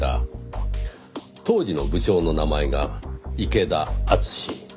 当時の部長の名前が池田淳。